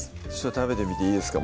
食べてみていいですか？